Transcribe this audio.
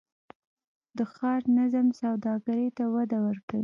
د ښار نظم سوداګرۍ ته وده ورکوي؟